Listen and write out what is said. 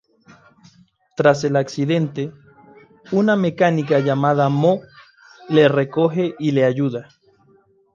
Tras el accidente, una mecánica llamada Mo, le recoge y le ayuda.